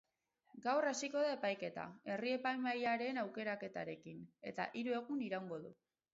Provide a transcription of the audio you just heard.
Gaur hasiko da epaiketa, herri-epaimahaiaren aukeraketarekin, eta hiru egun iraungo du.